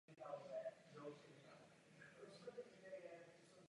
Některé z nich byly po letech předány jednomu z berlínských muzeí.